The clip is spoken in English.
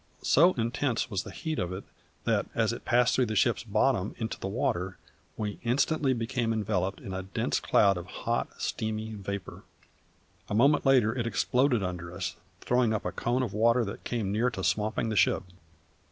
So intense was the heat of it that, as it passed through the ship's bottom into the water, we instantly became enveloped in a dense cloud of hot, steamy vapour. A moment later it exploded under us, throwing up a cone of water that came near to swamping the ship.